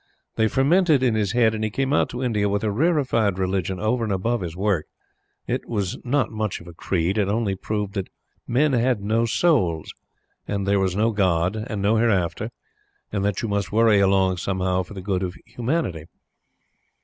They fermented in his head, and he came out to India with a rarefied religion over and above his work. It was not much of a creed. It only proved that men had no souls, and there was no God and no hereafter, and that you must worry along somehow for the good of Humanity.